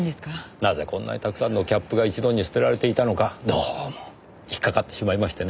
なぜこんなにたくさんのキャップが一度に捨てられていたのかどうも引っかかってしまいましてね。